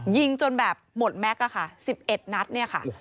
ยิงจนแบบหมดแม็กซ์ค่ะ๑๑นัดเนี่ยค่ะ